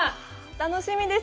楽しみです。